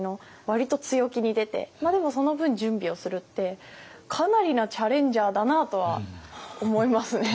割と強気に出てでもその分準備をするってかなりなチャレンジャーだなとは思いますね。